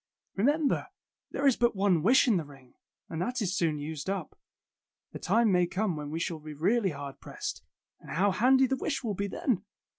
Remem ber, there is but one wish in the ring, and that is soon used up. The time may come when we shall be really hard pressed, and how handy the wish will be then!